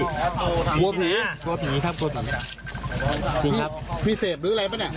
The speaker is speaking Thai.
วัวผีวัวผีครับกลัวผีจริงครับพี่เสพหรืออะไรป่ะเนี่ย